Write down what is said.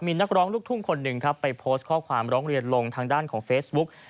มีนักร้องลูกทุ่งคนหนึ่งครับไปโพสต์ข้อความร้องเรียนลงทางด้านของเฟซบุ๊ก